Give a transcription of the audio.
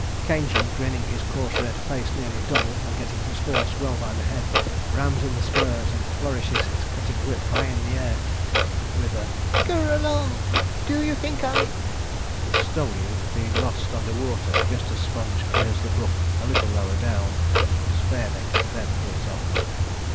Caingey, grinning his coarse red face nearly double, and getting his horse well by the head, rams in the spurs, and flourishes his cutting whip high in air, with a 'g u u ur along! do you think I' the 'stole you' being lost under water just as Sponge clears the brook a little lower down. Spareneck then pulls up.